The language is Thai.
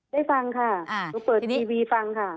ได้ฟังค่ะมาเปิดทีวีฟังค่ะ